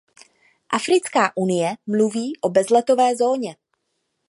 Africká unie mluví o bezletové zóně.